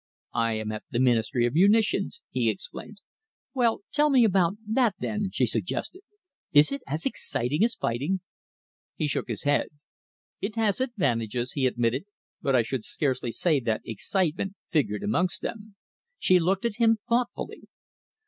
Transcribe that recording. "I am at the Ministry of Munitions," he explained. "Well, tell me about that, then?" she suggested. "Is it as exciting as fighting?" He shook his head. "It has advantages," he admitted, "but I should scarcely say that excitement figured amongst them." She looked at him thoughtfully.